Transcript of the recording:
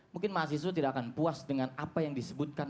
mungkin mahasiswa tidak akan puas dengan apa yang disebutkan